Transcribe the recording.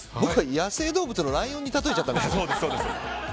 野生動物のライオンに例えちゃったんですよ。